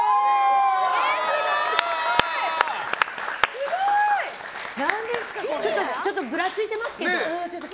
すごい！ちょっとぐらついてますけど。